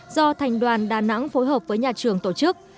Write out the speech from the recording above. do thành đoàn đà nẵng phối hợp với nhà trường tổ chức